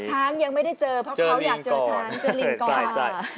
ช้างยังไม่ได้เจอเพราะเขาอยากเจอช้างเจอลิงก่อน